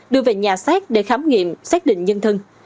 đưa về nhà xác để khám nghiệm xác định nhân thân